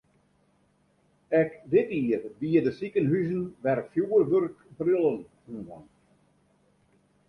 Ek dit jier biede sikehuzen wer fjurwurkbrillen oan.